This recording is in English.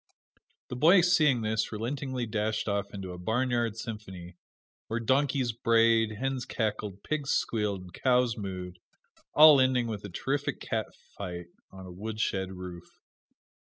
The boy seeing this, relentingly dashed off into a "barnyard symphony," where donkeys brayed, hens cackled, pigs squealed and cows mooed, all ending with a terrific cat fight on a wood shed roof.